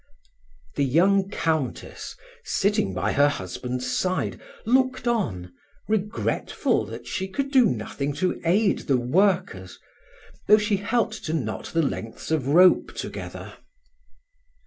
The young Countess, sitting by her husband's side, looked on, regretful that she could do nothing to aide the workers, though she helped to knot the lengths of rope together.